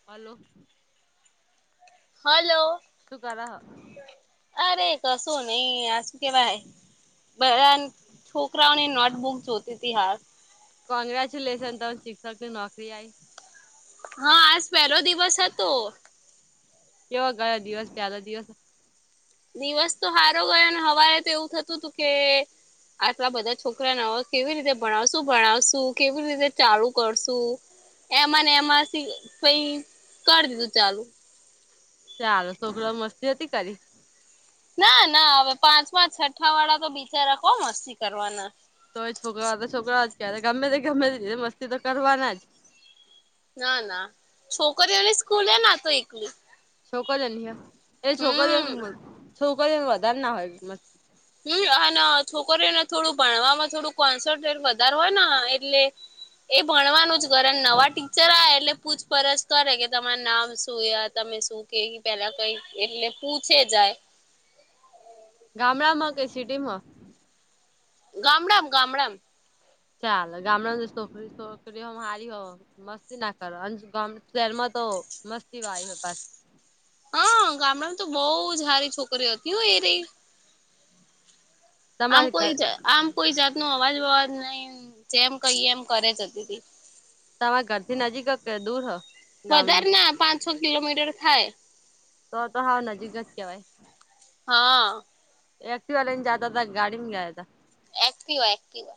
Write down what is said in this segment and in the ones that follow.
Hello. Hello. સુકર હ. અરે કશું નહી આ શું કેવા હ બધા છોકરાઓને નોટબુક જોતીતી હા કોંગ્રેચ્યુલેશન ત શિક્ષક ની નોકરી આવી. હા આજ પેલો દિવસ હતો. કેવાો ગયો દિવસ પ્યાલો દિવસ દિવસ તો સારો ગયો હવારે તો એવું થતું હતું કે આટલા બધા છોકરાને કેવી રીતે ભણાવશું ભણાવશું કેવી રીતે ચાલુ કરશુ. એમાં ને એમાંથી પ કરી દીધું ચાલુ. ચાલો છોકરાઓ મસ્તી હતી કરી. ના ના હવે પાંચમાં છઠ્ઠા વાળા તો બીચારા કોણ મસ્તી કરવાના. તોય છોકરા તો છોકરાઓ જ ક્યારે ગમે તે ગમે તે મસ્તી તો કરવાના જ ના ના છોકરીઓની સ્કૂલ ના તો એકલું છોકરીઓ એ છોકરીઓ છોકરીઓ વધારે ના હોય મસ હમ્મ અને છોકરીઓને થોડું ભણવામાં થોડું કોન્સટ વધારે હોય ને એટલે એ ભણવાનું જ કરે નવા ટીચર આવે એટલે પૂછપરછ કરે કે તમાર નામ શું તમે શું કે પેલા કઈ એટલે પૂછે જાય ગામડામાં કે સિટી માં ગામડામ ગામડા ચાલ ગામડા છોકરી છોકરી હ હારી હો મસ્તી ના કરો ગામ શહેરમાં તો મસ્તી વા આવી હોય પા હા ગામડામાં તો બહુ જ સારી છોકરીઓ હતી હો એ રહી આમ તમારે ઘર કોઈ આમ કોઈ જાત નું અવાજ અવાજ નહી જેમ કહીએ એમ કરે જતી તી. તમારા ઘરથી નજીક કે દૂર હ. વધારે ગામડું ના પાંચસો કિલોમીટર થાય. તો તો હાવ નજીક જ કેવાય. હા. એકટીવા લઈને જાતા થા કી ગાડી મેં ગયા થા. કી હોય કી હોય.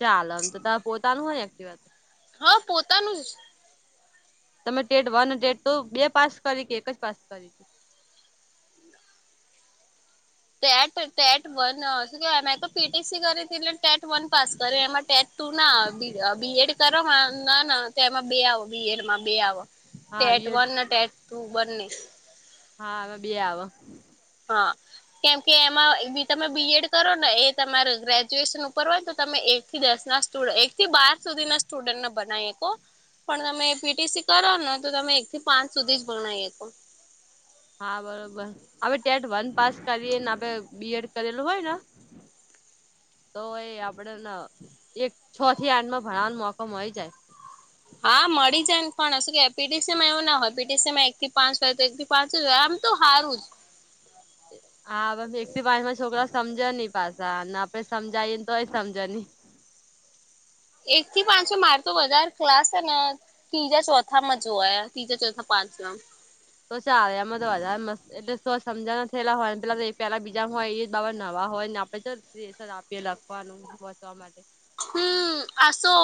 ચાલમ આમતો તમારુ પોતાનું હોય એકટીવા. હા પોતાનું જ તમે ટેટ વન ટેટ ટુ બે પાસ કરી કે એક જ પાસ કરી. ટેટ ટેટ વન શું કેમે તો પીટીસી કરી હતી એટલે ટેટ વન પાસ કર્યો એમાં ટેટ તું ના આવ બીએડ કરો ના ના એમાં બે આવો બીએડમાં બે આવ હા ટેટ બીએડ વન અને ટેટ ટુ બંને. હા હવે બે આવ હા. કેમ કે એમાં એ બી તમે બીએડ કરો ને એ તમારો ગ્રેજ્યુએશન ઉપર હોય તો તમે એ એકથી દસના સ્ટુડ એક થી બાર સુધીના સ્ટુડન્ટને બનાવી હકો પણ તમે પીટીસી કરો ને તો તમે એક થી પાંચ સુધી જ ભણાઈ હકો હા બરોબર અવે ટેટ વન પાસ કરીએ ને આપડે બીએડ કરેલું હોય ને તો એ આપડેને એક છ થી આઠમાં ભણાવાનો મોકો મળી જાય. હા મળી જાય ને પણ શું કે પી ટી સી માં એવું ના હોય પી ટી સી માં એક થી પાંચ તે એક થી પાંચ જ હોય એમ તો હારું જ હા અવે એક થી પાચમાં છોકરા સમજે ની પાસા ને આપડે સમજાવીએ ને તોય સમજે ની એક થી પાંચસો માર તો વધાર ક્લાસ શેને તીજા ચોથામાં જોવાયા તીજા, ચોથા, પાંચમાં તો ચાલે એમાં તો વધારે મસ્ત એટલે તો સમજાવાના થેલા હોય પેલા તો પેલા બીજ જા હોય એ જ બાબા નવા હોય ને આપણે તો લેશન આપીએ લખવાનું વાચવાં માટે હમ્મ આસો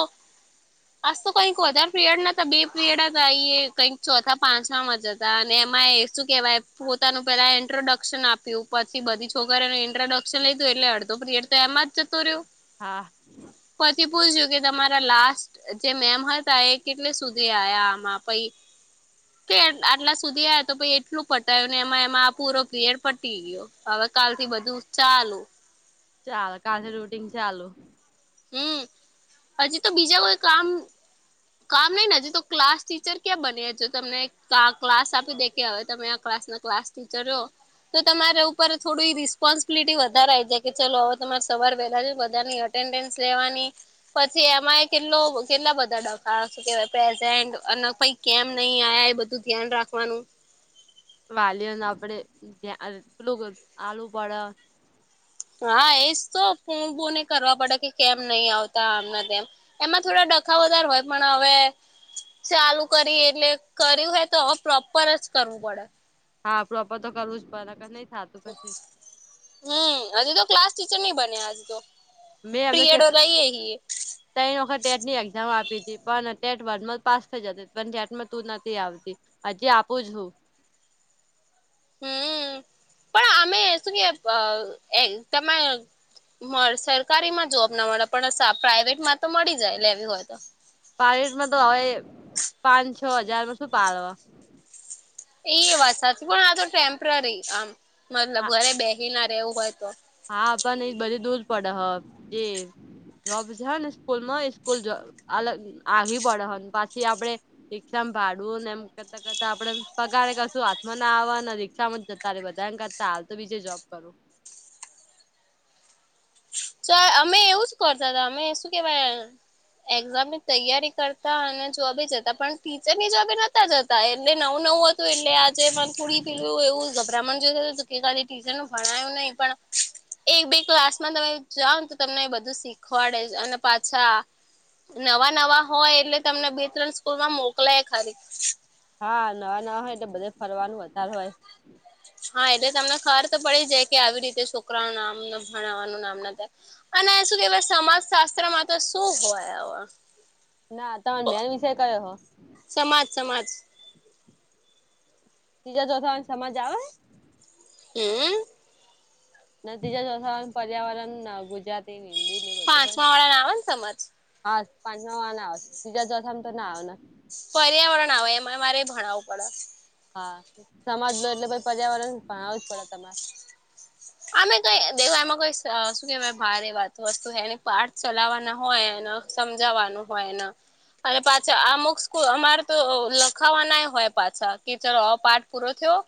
આજ તો કંઈક વધાર પિરિયડ નહતા બે પીરિયડ હતા ઈએ કંઈક ચોથા પાંચમામાં જ ધા અને એમાં એ શું કેવાય પોતાનું પેલા ઇન્ટ્રોડક્શન આપ્યું પછી બધી છોકરીનું ઇન્ટ્રોડક ક્શન લીધું એટલે અડધો પિરિયડ એમાં જ જતો રીયો. હા. પછી પૂછ્યું કે તમારા લાસ્ટ જે મેમ હતા એ કેટલે સુધી આયા આમાં પહી કે એટ આટલા સુધી આયા તો પહી એટલું પટાયું ને એમાં એમાં આ પૂરો પિરિયડ પતી ગીયો. હવે કાલથી બધું ચાલું ચાલ કાલથી રૂટીન ચાલું. હમ્મ હજી તો બીજા કોઈ કામ કામ નહી હજી તો ક્લાસ ટીચર ક્યાં બન્યા જો તમને કા ક્લાસ આપી દેય કે હવે તમે આ ક્લાસના ક્લાસ ટીચર હો. તો તમારા ઉપર થોડુંઈ રિસ્પોન્સિબિલિટી વધારે આ આયી જાય કે ચલો અવે તમારે સવાર વેલા જઈ બધાની અટ એટેન્ડન્સ લેવાની પછી એમાંય કેટલો કેટલા બધા ડક હા, શું કેવાય પ્રેઝેન્ટ અને પહી કેમ નહી આયા એ બધું ધ્યાન રાખવાનું. વાલીઓને આપડે ત્યાં આટલું બધું આલુ પડ. હા, એજ તો ફુન બુન એ કરવા પડે કે કેમ નહી આવતા આમ ને તેમ. એમાં થોડા ડખા વધારે હોય પણ હવે. ચાલુ કરી એટલે કર્યું હોય તો પ્રોપર જ કરવું પળે. હા, પ્રોપ્રર તો કરવું જ પડે નકર નઈ થાતું પસી. હમ્મ હજી તો ક્લાસ ટીચર નઈ બન્યા હજી તો. મે એમને કેટ પીરિયડો લઈએ હી તૈણ વખત ટેટની એક્ઝામ આપી હતી, પણ ટેટ વન પાસ થઈ જતી પણ ટેટમાં તું નથી આવતી. અજી આપુ છું. હમ્મ, પણ આમેય શું કેય પ એક તમે મળ સરકારીમાં જોબ ના મળે પણ સા પ્રાઇવેટમાં તો મળી જાય લેવી હોય તો. પ્રાઈવેટ તો હવે પાન છ હજારમાં શું પાળવા. એ વાત સાચી પણ આ તો ટેમ્પ્રરી આમ મતલબ ઘરે બેહી ના રેવું હોય તો. હા, પણ બધું દૂર પડે હ જે જોબ છે ને. સ્કૂલમાં હોય સ્કૂલ જ અલગ આધી પડે હન પાછી આપડે રિક્ષામ ભાડું ને એમ કરતાં-કરતાં આપડે પગારે કશું હાથમાં ન આવ ને રિક્ષામાં જત તારે બધા કરતા, હાલ તો બીજે જોબ કરું. ચા અમે એવું જ કરતાં અતા, અમે શું કેવાય. એક્ઝામની તૈયારી કરતા અને જોબે જતા પણ ટીચરની જોબે નતા જતા. તા એટલે નવું-નવું હતું એટલે આજે પણ થોડી પેલું એવું ગભરામણ જેવું થતું અતું કે. કે ખાલી ટીચરનું ભણાયું નઈ પણ એક-બે ક્લાસમાં તમે જાવને તો તમને એ બધું શીખવાડે જ અને પાછા નવા-નવા હોય એટલે તમને બે ત્રણ સ્કૂલમાં મોકલય ખરી. હા નવા-નવા હોય એટલે બધે ફરવાનું વધારે હોય. હા એટલે તમને ખબર તો પડી જાય કે આવી રીતે છોકરાનું નામ ભણાવવાનું નામ ના થાય. અને શું કેવાય સમાજ શાસ્ત્ર માં તો શું હોય હવે. ના તમારે મેન વિષય કયો હો. સમાજ સમાજ. ત્રીજા ચોથા વાળા ને સમાજ આવે હે. હમ્મ. ના તીજાથ પર્યાવરણ, ગુજરાતી, હિન્દી ને બધું હોય. પાંચમા વાળા ના આવે ને સમાજ હા પાંચમા વાળા ને આવે ત્રીજા ચોથા મા તો ના આવે ને. પર્યાવરણ આવે એમાં મારે ભણાવવું પડે. હા સમાજ લો એટલે પછી પર્યાવરણ ભણાવું જ પડે તમારે. અમે કઈ દેખ એમાં કઈ શું કેવાય ભારે એ વાતો વસ્તુ એને પાઠ ચલાવવાના હોય. સમજાવાનું હોયન. અને પાછા અમુક સ્કૂલ અમારે તો લખાવા નાય હોય પાછા કે ચલો પાઠ પૂરો થયો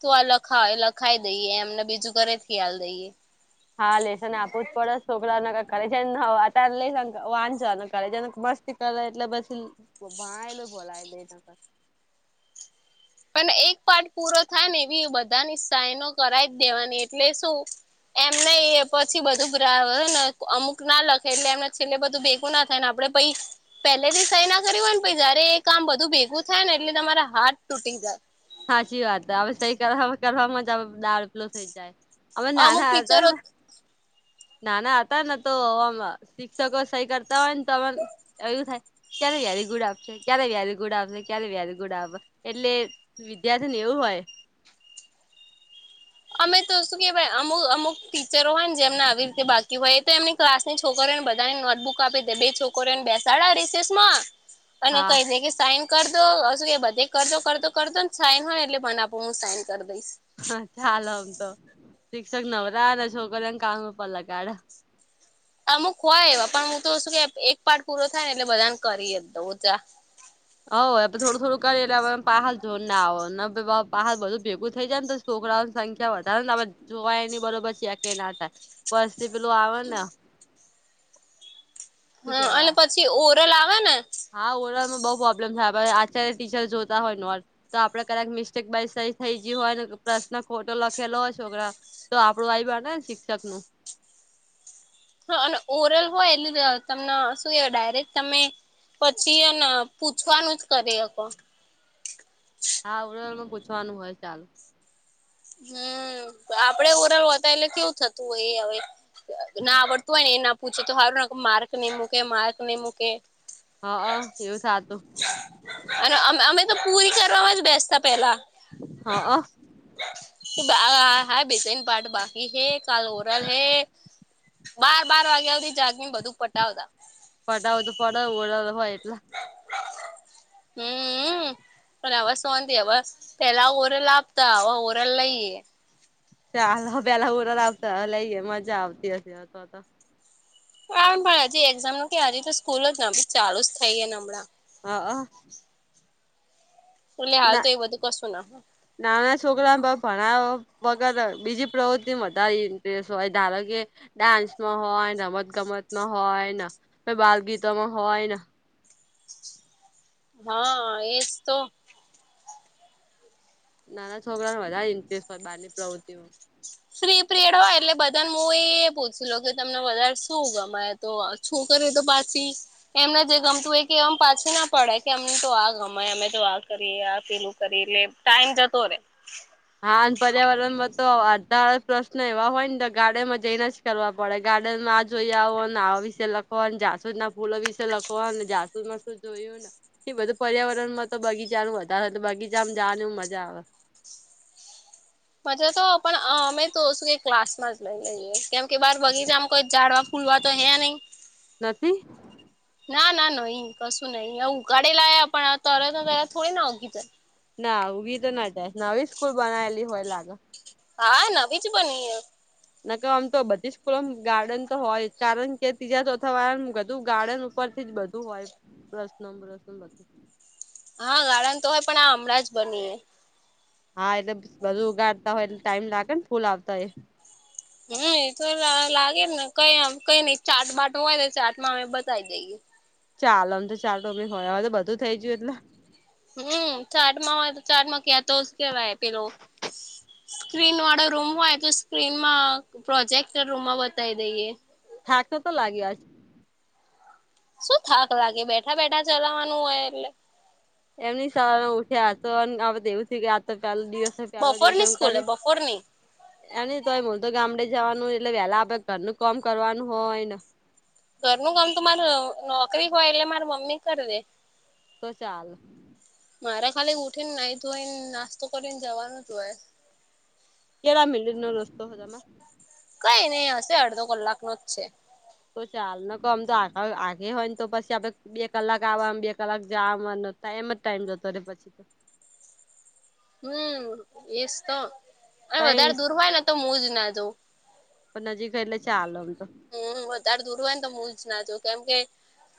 તો આ લખાવ લખાઈ દઈએ એમને બીજું ઘરે ખ્યાલ દઈએ. હા લેશન એ આપવું પડે. છોકરાને નકર ઘરે જઈને લઈ વાચવા કરે જેને મસ્તી કરે એટલે પછી ભણાયેલું ભુલાઈ ડે નકર. પણ એક પાઠ પૂરો થાય ને એવી બધાની સાઈનો કરાય જ દેવાની એટલે શું. એમને એ પછી બધું ગ્રા અમુક ના લખે એટલે એમને છેલ્લે બધું ભેગું ના થાય ને આપડે પહી પહેલેથી સહી ના કરી હોય ન જયારે એ કામ બધું ભેગું થાય ને એટલે તમારા હાથ તૂટી જાય. સાચી વાત હવે સ કરવાવામાં જ આવે દાળલો થઈ જાય અમે અમુક નાના હતા ટીચરો ને. નાના હતાને તો શિક્ષકો સહી કરતા હોય ને તો. એું થાય ક્યારે વ્યારી ગુડ આપશે ક્યારે વ્યારી ગુડા આપશે ક્યારે વ્યારી ગુડા આપ એટલે. વિદ્યાર્થી ને એવું હોય. અમે તો શું કે અમુક અમુક ટીચરો હોય ને જેમને આવી રીતે બાકી હોય તો એમને. ક્લાસ ની છોકરીને બધાને નોટબુક આપી દે બે છોકરો ને બેસાડા રિસેસ માં. અને હા કહી દે કે સાયન. કરતોોું કે બધે કરજો કરતો કરતોો ને સાઈન હોય એટલે પણ આપ હું સાઈન કરી દઈશ. હા ચાલ આમ તો શિક્ષક નવરાને છો કર્યાને કામ પલાગાઢ. અમુક હોય એવા પણ હું તો શું કે એક પાઠ પૂરો થાય ને એટલે બધાને કરીએ જ દઉં તા. હ થોડું થોડું કરીેટલે હ પહડ જોને આવો ને પહાડ બધું ભેગું થઈ જાયને. છોકરાઓની સંખ્યા વધારે ને જોવાય એની બરોબર છે કે ના થાય વર્ષ થી પેલું આવે ને. શું હા અને કેવાય પછી ઓરલ આવે ને. હા ઓવર ઓલમાં બહુ પ્રોબ્લેમ થાય અત્યારે ટીચર જોતા હોય ન ઓ. તો આપડે કક મિસ્ટેક બાય સઈ થઈ ગય હોય પ્રશ્ન ખોટો લખેલો હોય છોકરા. તો આપડું આઈબ નેને શિક્ષક નું. હા અને ઓરલ હોય એટલે તમને શું એ ડાયરેક્ટ તમે. પછી એને પૂછવાનું જ કરી અકો. હા આવડમાં પૂછવાનું હોય ચાલુ. હમ આપડે ઓવર ઓલ હોતા એટલે કેવું થતું હોય એ હવે. ના આવડતું હોય ને એ ના પૂછે તો સારું ને માર્ક નઈ મૂકે માર્ક નઈ મૂકે. હા એવું થ હતું. અને અમે તો પૂરી કરવાવામાં જ બેસતા પેલા. હા અ. હા બેસાઈને પાઠમાં. હે કાલ ઓરલ હે બાર બાર વાગ્યા સુધી જાગ બધું પટાવતા. ફટાવો તો પડઓડા હોય એટલા. હઅં. હવે શોતિહવે પેલા ઓરલ આપતા હવે ઓરલ લઈએ. ચાલો પેલા ઓરલઆવતા લઈ મજા આવતી હતી. આમ પણ હજી એક્ઝામનું કે હજી તો સ્કૂલ જ ચાલુ થઈને હમણાં. હંઅ. ઉનેહાલ ના તો એ બધું કશું ના. નાના છોકરાને ભણાવ વગર બીજી પ્રવૃતિ વધારે ઇન્ટરસ હોય ધારો કે. ડાન્સમાં હોય રમત ગમત માં હોય ને બાલગીતોમાં હોય ને. હંઅંએ જ તો. નાના છોકરાને વધારે ઇન્ટરેસ્ટ હોય બાર ની પ્રવૃત્તિઓ. ફ્રી પીરયડ હોય એટલે બધાને હું એ પૂછું કે તમને વધારે શું ગમે સ તો છોકરીઓ તો પાછી એમને જે ગમતું હોય એકેવામાપાછી ના પડે કે એમને તો આ ગમેએ અમે તો આ કરીએ આ પેલું કરી એટલે ટાઈમ જતો રે. હા અને પર્યાવરણમાં તો અઠારપ્ર. એવા હોય ને તો ગાર્ડન માં જઈને જ કરવા પડે ગાર્ડન માંઆ જોઈ આવોને આવા વિશેે લખ. જાસુદ ના ફૂલો વિશે લખોને જાસુદ માં શું જોયું ને. એ બધું પર્યાવરણ માં તો બગીચાનુંવધારે તો બગીચામાં જવા નુ મજા આવે. મજા તો પણ અમે તો શું કે ક્લાસ માં જ લઈ લઈએ કેમ કે બાર બગીચા કોઈ ઝાડ વો. ફુલવા તો હૈ નહી. નથી. હ. ના ના ના અ કશું નઈિ ઉકાળેલા પણ આ તર ત થોડી ના ઊગી‌જાય. ના ઊઘી તો ના જાય નવી સ્કૂલ બનાયલી હોય લાગે હા નવી જ બની ન ક આમ તો બધી સ્કૂલોમ ગાર્ડન તો હોય કારણ કે તીજા ચોથા વાળા ગધુ ગાર્ડન પરથી જ બધું હોય પ્રશ્ન બશ્નો બધું હા ગાર્ડન તો હોય પણ આ હમણાં જ બની હા એટલે બધું ઉગાડતા હોય એટલે ટાઈમ લાગે ને ફૂલ આવતા એ હમ એ તો લા લાગેને કઈ કઈ નઈ ચાટ બાટ હોય ચાટમાં અમે બતાવી દઈએ ચાલ આમ તો ચાલ ટોમી હોય હવે તો બધું થઈ જયું એટલે હમ ચાટમાં હોય તો ચાટમાં ક્યા તોસ કેવાય પેલો સ્ક્રીન વાળો રૂમ હોય તો સ્ક્રીનમાં પ્રોજેક્ટર રૂમમાં બતાવી દઈએ થાક તો તો લાગ્યો આજ શું થાક લાગે બેઠા બેઠા ચલાવવાનું હોય એટલે એમની સવારે ઉઠ્યા તો [unintelligible] તો કાલદિવસે પેલા દિવસ બપોરની એમ સ્કૂલે કરી બપોરની એ મ તોય [unintelligible] આપડે તો ગામડે જવાનું એટલે વહેલા ઉઠીને આપે ને ઘર નું કામ કરવાનું હોય ને ઘરનું કામ તો માર નોકરી હોય એટલે માર મમ્મી કરી દે તો ચાલ મારા ખાલી ઉઠે ને નાહી ધોઈ નાસ્તો કરીને જવાનું જ હોય કેટલા મિનિટનો રસ્તો હતમા કઈ ની હશે અડધો કલાક નો જ છે. તો ચાલે ન ક ઓમ તો આ આગેહોયન તો પછી આપડે બે કલાક આવામાં બે કલાક જાવામાં ટાઈમ જ ટાઈમ જતો રે પછી તો હમ એસ તો અને કઈ વધારે દૂર હોય ને તો મુ જ ના જઉં પણ નજીક હે એટલે ચાલ આમતો હમ વધારે દૂર હોય ને તો હુજના જવ કેમ કે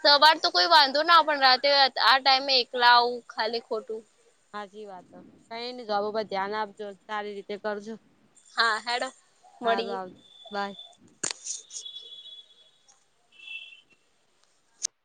સવાર તો વાંધો ના આવે પણ રાતે આ ટાઈમે એકલા આવું ખાલી ખોટું હાચી વાત કઈ ની જબ ધ્યાન આપજો સારી રીતે કરજો. હા હેડો હારું મળીએે. આવ બાય.